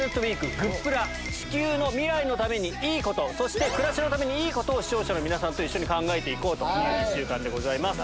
地球の未来のためにいいこと暮らしのためにいいことを視聴者の皆さんと一緒に考えて行こうという１週間です。